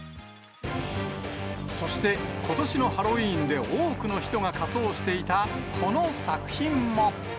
そして、ことしのハロウィーンで多くの人が仮装していたこの作品も。